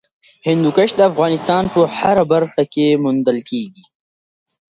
هندوکش د افغانستان په هره برخه کې موندل کېږي.